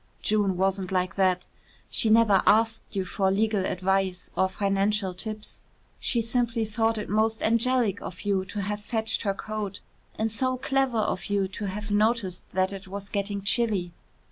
June wasn't like that. She never asked you for legal advice or financial tips. She simply thought it most angelic of you to have fetched her coat and so clever of you to have noticed that it was getting chilly.